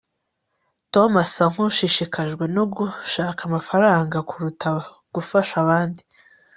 tom asa nkushishikajwe no gushaka amafaranga kuruta gufasha abandi